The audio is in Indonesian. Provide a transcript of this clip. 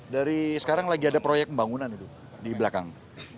dari sekarang lagi ada proyek pembangunan itu di belakang